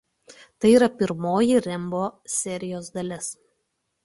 Tai yra pirmoji „Rembo“ serijos dalis.